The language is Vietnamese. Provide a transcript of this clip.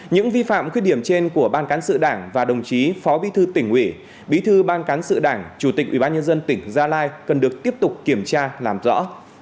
những vi phạm khuyết điểm trên của ban cán sự đảng và đồng chí phó bí thư tỉnh ủy bí thư ban cán sự đảng chủ tịch ubnd tỉnh gia lai cần được tiếp tục kiểm tra làm rõ